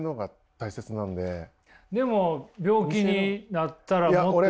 でも病気になったら。